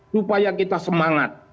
supaya kita semangat